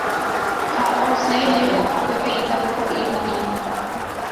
ha osẽje oho peteĩ tapepo'i rupi